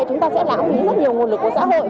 chúng ta sẽ lãng phí rất nhiều nguồn lực của xã hội